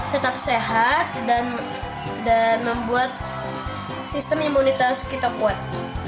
tetap sehat dan membuat sistem imunitas kita kuat